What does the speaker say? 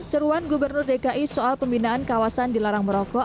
seruan gubernur dki soal pembinaan kawasan dilarang merokok